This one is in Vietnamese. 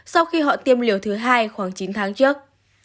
sau khi họ tiêm liều thứ hai khoảng chín tháng trước